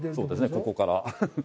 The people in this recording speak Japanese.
ここから。